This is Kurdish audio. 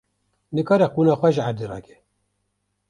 Nikare qûna xwe ji erdê rake.